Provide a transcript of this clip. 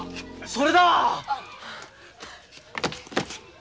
それだ！